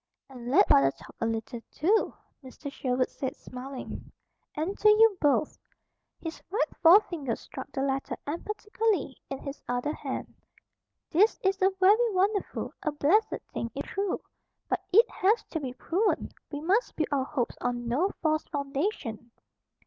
"And let father talk a little, too," Mr. Sherwood said, smiling, "and to you both." His right forefinger struck the letter emphatically in his other hand. "This is a very wonderful, a blessed, thing, if true. But it has to be proven. We must build our hopes on no false foundation."